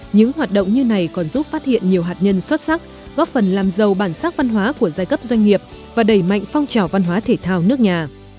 những hoạt động như này còn giúp phát hiện nhiều hạt nhân xuất sắc góp phần làm giàu bản sắc văn hóa của giai cấp doanh nghiệp và đẩy mạnh phong trào văn hóa thể thao nước nhà